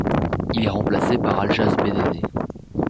Il est remplacé par Aljaž Bedene.